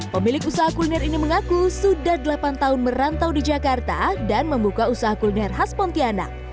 pemilik usaha kuliner ini mengaku sudah delapan tahun merantau di jakarta dan membuka usaha kuliner khas pontianak